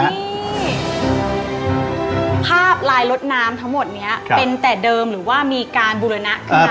นี่ภาพลายรถน้ำทั้งหมดนี้เป็นแต่เดิมหรือว่ามีการบูรณะขึ้นมา